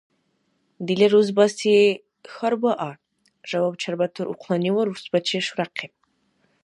— Дила рурсбази хьарбаа, — жаваб чарбатур ухънани ва рурсбачи шуряхъиб.